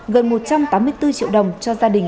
gần một trăm tám mươi bốn triệu đồng cho gia đình